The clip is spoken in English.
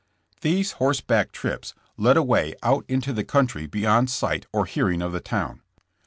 These horse back trips led away out into the country beyond sight or hearing of the town.